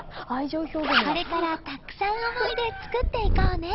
これから、たくさん思い出作っていこうね！